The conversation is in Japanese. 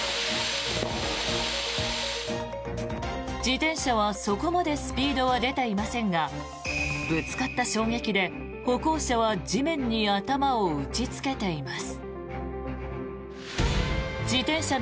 自転車はそこまでスピードは出ていませんがぶつかった衝撃で歩行者は地面に頭を打ちつけています。